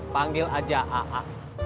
panggil aja a a